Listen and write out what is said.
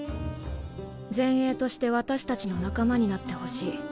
前衛として私たちの仲間になってほしい。